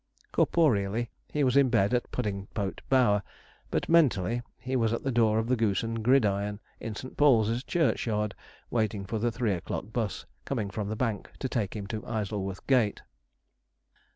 Corporeally, he was in bed at Puddingpote Bower, but mentally, he was at the door of the Goose and Gridiron, in St. Paul's Churchyard, waiting for the three o'clock bus, coming from the Bank to take him to Isleworth Gate.